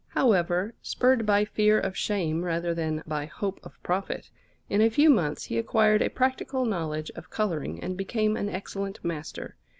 However, spurred by fear of shame rather than by hope of profit, in a few months he acquired a practical knowledge of colouring and became an excellent master.